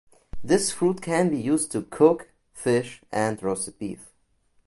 This fruit can be used to cook fish and roasted beef.